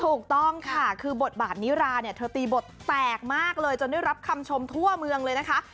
ถูกต้องค่ะคือบทบาทนิราเนี่ยเธอตีบทแตกมากเลยจนได้รับคำชมทั่วเมืองเลยนะคะ